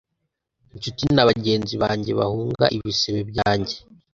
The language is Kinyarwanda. Incuti na bagenzi banjye bahunga ibisebe byanjye